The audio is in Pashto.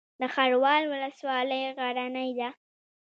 د خروار ولسوالۍ غرنۍ ده